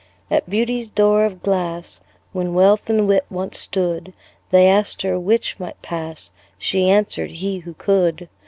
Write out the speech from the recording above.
At Beauty's door of glass, When Wealth and Wit once stood, They asked her 'which might pass?" She answered, "he, who could."